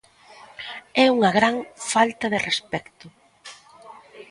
É unha gran falta de respecto.